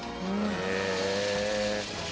へえ。